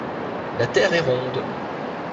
La terre est ronde.